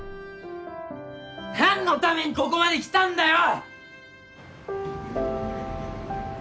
何のためにここまで来たんだよ！